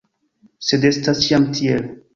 Sed estas ĉiam tiel.